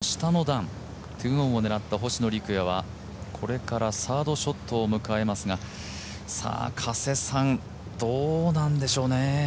石川は３オンしかも下の段２オンを狙った星野陸也はこれからサードショットを迎えますが加瀬さん、どうなんでしょうね。